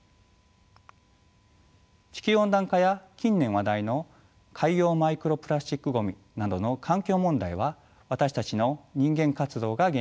地球温暖化や近年話題の海洋マイクロプラスチックごみなどの環境問題は私たちの人間活動が原因です。